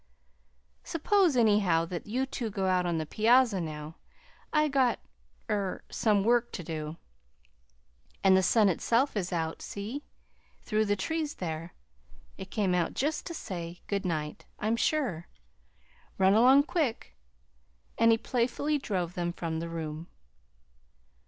Suppose, anyhow, that you two go out on the piazza now. I've got er some work to do. And the sun itself is out; see? through the trees there. It came out just to say 'good night,' I'm sure. Run along, quick!" And he playfully drove them from the room.